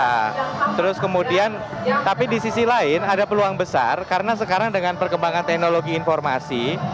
nah terus kemudian tapi di sisi lain ada peluang besar karena sekarang dengan perkembangan teknologi informasi